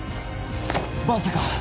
まさか！